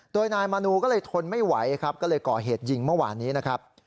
โดยนายมนูก็เลยทนไม่ไหวครับก็เลยก่อเหตุยิงเมื่อวานนี้นะครับ